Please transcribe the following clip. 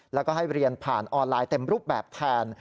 แล้วก็ให้เรียนผ่านออนไลน์เต็มรูปแบบแทน